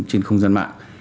trên không gian mạng